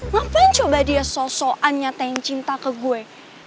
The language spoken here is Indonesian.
ngapain coba dia sosokan nyatain cinta ke gue